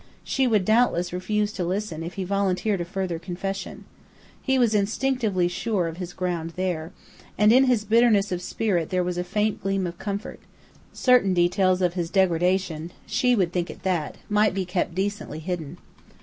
She would doubtless refuse to listen if he volunteered a further confession. He was instinctively sure of his ground there; and in his bitterness of spirit there was a faint gleam of comfort; certain details of his degradation (she would think it that) might be kept decently hidden.